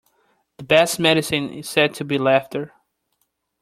The best medicine is said to be laughter.